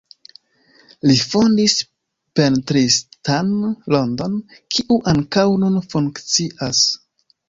Li fondis pentristan rondon, kiu ankaŭ nun funkcias.